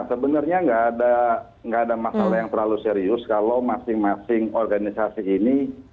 sebenarnya nggak ada masalah yang terlalu serius kalau masing masing organisasi ini